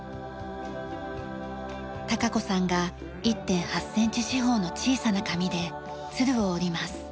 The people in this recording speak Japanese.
孝子さんが１．８センチ四方の小さな紙で鶴を折ります。